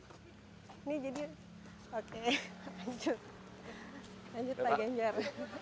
lanjut pak ganjar